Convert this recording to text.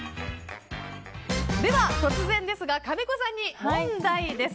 では突然ですが金子さんに問題です。